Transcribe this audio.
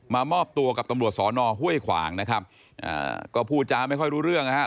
มอบตัวกับตำรวจสอนอห้วยขวางนะครับอ่าก็พูดจาไม่ค่อยรู้เรื่องนะครับ